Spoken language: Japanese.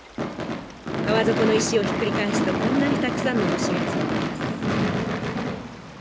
川底の石をひっくり返すとこんなにたくさんの虫がついています。